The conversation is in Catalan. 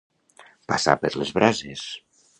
Passar per les brases.